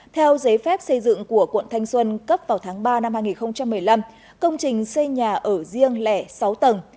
theo giấy phép xây dựng của quận thanh xuân cấp vào tháng ba năm hai nghìn một mươi năm công trình xây nhà ở riêng lẻ sáu tầng